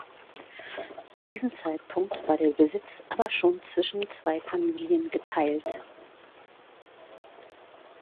Zu diesem Zeitpunkt war der Besitz aber schon zwischen zwei Familien geteilt.